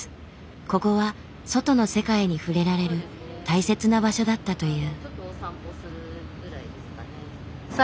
ここは外の世界に触れられる大切な場所だったという。